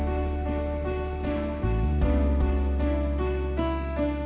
aku turut prihatin